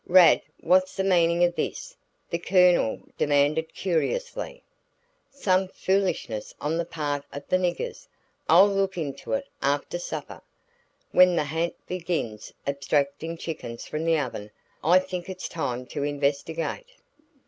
"Rad, what's the meaning of this?" the Colonel demanded querulously. "Some foolishness on the part of the niggers. I'll look into it after supper. When the ha'nt begins abstracting chickens from the oven I think it's time to investigate."